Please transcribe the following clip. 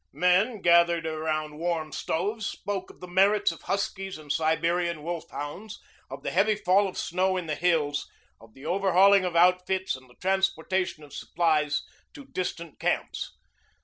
Men, gathered around warm stoves, spoke of the merits of huskies and Siberian wolf hounds, of the heavy fall of snow in the hills, of the overhauling of outfits and the transportation of supplies to distant camps.